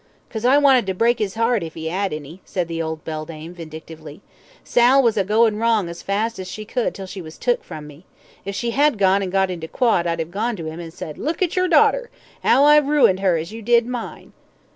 "'Cause I wanted to break 'is 'eart, if 'e 'ad any," said the old beldame, vindictively. "Sal was a goin' wrong as fast as she could till she was tuk from me. If she had gone and got into quod I'd 'ave gone to 'im, and said, 'Look at yer darter! 'Ow I've ruined her as you did mine.'"